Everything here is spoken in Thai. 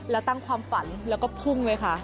แล้วตั้งความฝันแล้วก็พุ่งเลยค่ะ